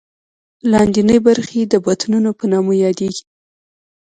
لاندینۍ برخې یې د بطنونو په نامه یادېږي.